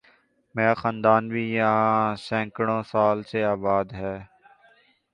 میرا خاندان بھی یہاں سینکڑوں سال سے آباد ہے